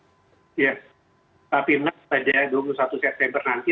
ya rapimnas pada dua puluh satu september nanti